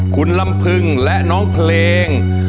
คุณลำพึงและน้องเพลง